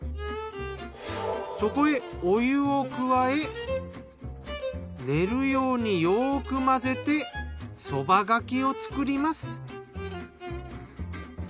そこへお湯を加え練るようによく混ぜてそばがきを作ります。